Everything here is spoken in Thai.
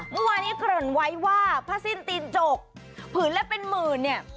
เมื่อวานี้เกริ่นไว้ว่าผ้าสิ้นตีนจกผืนละเป็นหมื่นเนี่ย